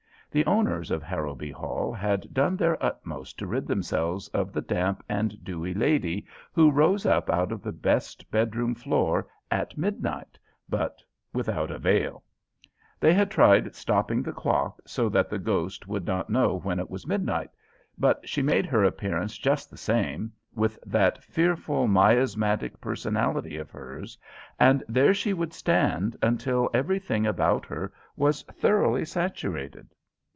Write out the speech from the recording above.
The owners of Harrowby Hall had done their utmost to rid themselves of the damp and dewy lady who rose up out of the best bedroom floor at midnight, but without avail. They had tried stopping the clock, so that the ghost would not know when it was midnight; but she made her appearance just the same, with that fearful miasmatic personality of hers, and there she would stand until everything about her was thoroughly saturated.